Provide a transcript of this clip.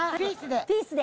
ピースで。